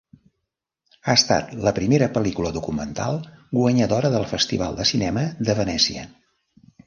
Ha estat la primera pel·lícula documental guanyadora del Festival de Cinema de Venècia.